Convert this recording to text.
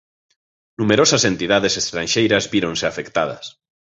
Numerosas entidades estranxeiras víronse afectadas.